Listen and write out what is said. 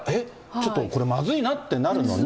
ちょっとこれ、まずいなってなるのに。